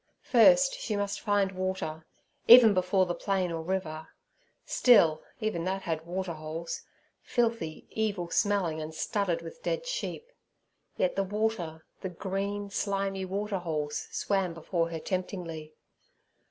First, she must find water, even before the plain or river. Still, even that had water holes—filthy, evil smelling, and studded with dead sheep—yet the water, the green, slimy water holes, swam before her temptingly.